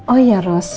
oh ya ros